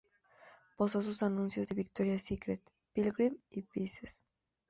Posó en anuncios de Victoria's Secret, Pilgrim, y Pieces.